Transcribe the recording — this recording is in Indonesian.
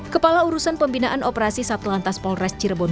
kepala urusan pembinaan operasi satlantas polres cirebon